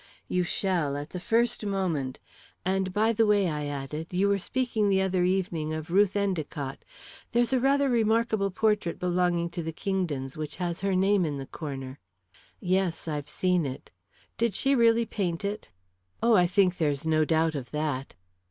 "You shall, at the first moment. And, by the way," I added, "you were speaking the other evening of Ruth Endicott. There is a rather remarkable portrait belonging to the Kingdons which has her name in the corner." "Yes; I've seen it." "Did she really paint it?" "Oh, I think there's no doubt of that."